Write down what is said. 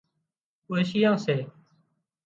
اوشيئان سي